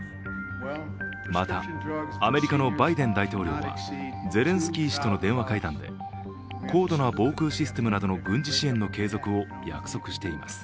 また、アメリカのバイデン大統領はゼレンスキー氏との電話会談で高度な防空システムなどの軍事支援の継続を約束しています。